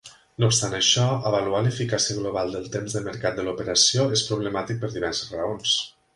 No obstant això, avaluar l'eficàcia global del temps de mercat de l'operació és problemàtic per diverses raons.